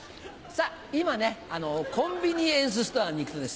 今ねコンビニエンスストアに行くとですね